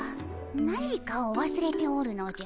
何かをわすれておるのじゃ。